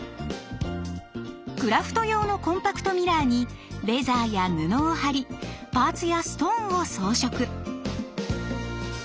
クラフト用のコンパクトミラーにレザーや布をはりパーツやストーンを装飾。